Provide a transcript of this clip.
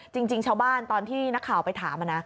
จริงชาวบ้านตอนที่นักข่าวไปถามนะ